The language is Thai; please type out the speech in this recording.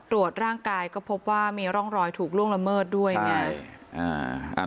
ตรวจร่างกายก็พบว่ามีร่องรอยถูกล่วงละเมิดด้วยไง